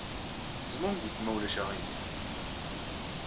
Zmumget, ma ulac aɣilif.